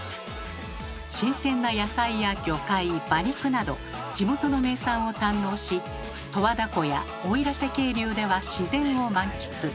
新鮮な野菜や魚介馬肉など地元の名産を堪能し十和田湖や奥入瀬渓流では自然を満喫。